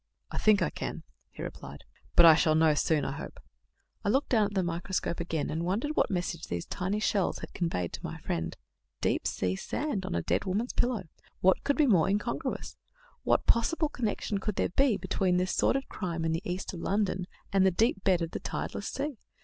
"I think I can," he replied, "but I shall know soon, I hope." I looked down the microscope again, and wondered what message these tiny shells had conveyed to my friend. Deep sea sand on a dead woman's pillow! What could be more incongruous? What possible connection could there be between this sordid crime in the east of London and the deep bed of the "tideless sea"?